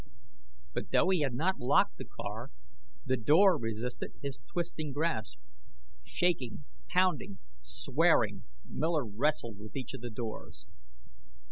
But, though he had not locked the car, the door resisted his twisting grasp. Shaking, pounding, swearing, Miller wrestled with each of the doors.